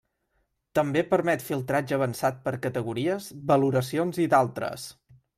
També permet filtratge avançat per categories, valoracions i d'altres.